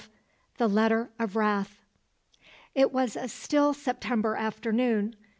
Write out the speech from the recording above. The Letter of Wrath It was a still September afternoon.